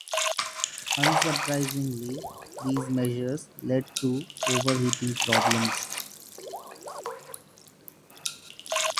Unsurprisingly, these measures led to overheating problems.